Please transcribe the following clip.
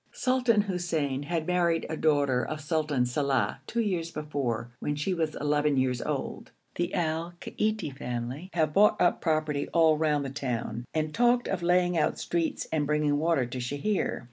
Sultan Hussein had married a daughter of Sultan Salàh two years before, when she was eleven years old. The Al Kaiti family have bought up property all round the town, and talked of laying out streets and bringing water to Sheher.